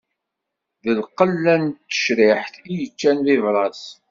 D lqella n tecriḥt i yeččan bibras.